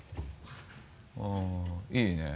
あぁいいね。